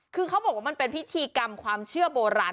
คือเขาบอกว่ามันเป็นพิธีกรรมความเชื่อโบราณ